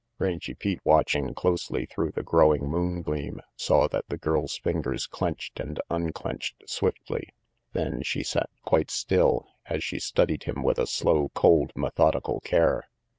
Rangy Pete, watching closely through the growing moon gleam, saw that the girl's fingers clenched and unclenched swiftly. Then she sat quite still, as she studied him with a slow, cold, methodical care.